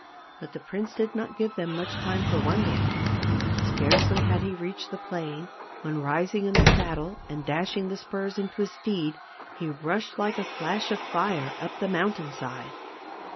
But the prince did not give them much time for wondering ; scarcely had he reached the plain, when rising in the saddle, and dashing the spurs into his steed, he rushed like a flash of fire up the mountain side.